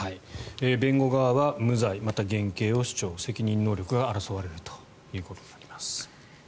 弁護側は無罪また減刑を主張責任能力が争われるということになります。